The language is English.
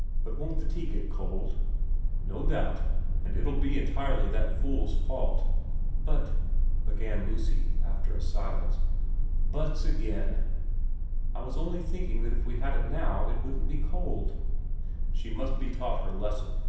* But won't the tea get cold ?'' No doubt. And it'll be entirely that fool's fault.' 4 But ' began Lucy, after a silence. ' Buts again ?'* I was only thinking that if we had it now it wouldn't be cold.' * She must be taught her lesson.'